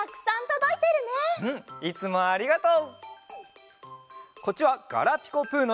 どうもありがとう！